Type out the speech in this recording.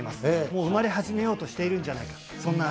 もう生まれ始めようとしているんじゃないか、そんな。